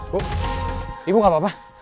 bu ibu gak apa apa